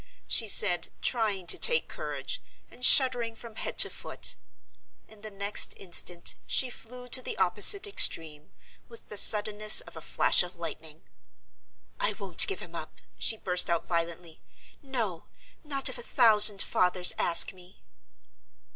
she said, trying to take courage, and shuddering from head to foot. In the next instant, she flew to the opposite extreme, with the suddenness of a flash of lightning. "I won't give him up!" she burst out violently. "No! not if a thousand fathers ask me!"